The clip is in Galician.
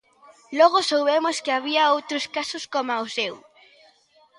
Logo soubemos que había outros casos coma o seu.